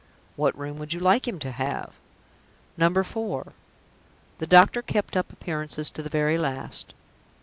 "What room would you like him to have?" "Number Four." The doctor kept up appearances to the very last.